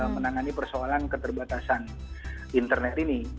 menangani persoalan keterbatasan internet ini